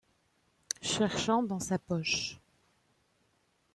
Cherchant dans sa poche.